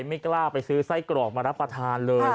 ไม่กล้าไปซื้อไส้กรอกมารับประทานเลย